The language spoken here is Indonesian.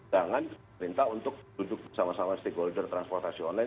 jangan minta untuk duduk bersama sama stakeholder transportasi online